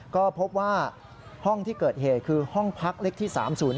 ก็พบว่าห้องที่เกิดเหตุคือห้องพักเล็กที่๓๐๔